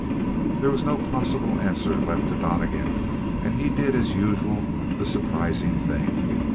There was no possible answer left to Donnegan, and he did as usual the surprising thing.